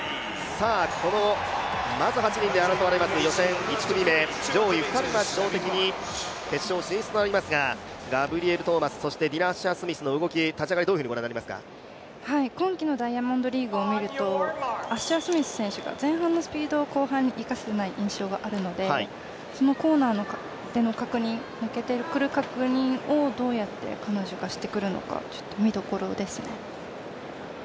このまず８人で争われます、予選１組目、上位２人が自動的に決勝進出となりますがガブリエル・トーマス、そしてディナ・アッシャー・スミスの立ち上がりどうご覧になりますか。今季のダイヤモンドリーグを見ると、アッシャースミス選手が前半のスピードを後半に生かせてない印象があるのでそのコーナーでの確認抜けてくる確認をどうやって彼女がしてくるか見どころですね。